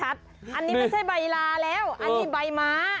อันนี้ไม่ใช่ใบลาแล้วอันนี้ใบม้า